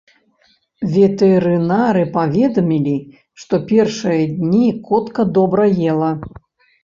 Ветэрынары паведамілі, што першыя дні котка добра ела.